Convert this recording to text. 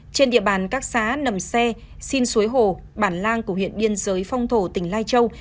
trên địa bàn các xã nầm xe xin suối hồ bản lan của huyện biên giới phong thổ tỉnh lai châu